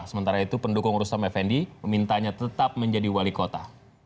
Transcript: sementara itu pendukung rustam effendi memintanya tetap menjadi wali kota